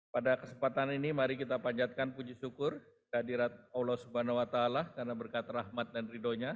pada kesempatan ini mari kita panjatkan puji syukur kehadirat allah swt karena berkat rahmat dan ridhonya